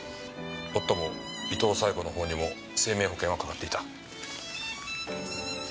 もっとも伊東冴子の方にも生命保険は掛かっていた。